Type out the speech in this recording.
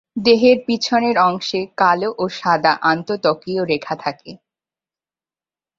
দেহের পিছনের অংশে কালো ও সাদা আন্তঃত্বকীয় রেখা থাকে।